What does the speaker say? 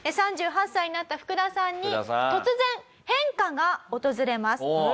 ３８歳になったフクダさんに突然変化が訪れます。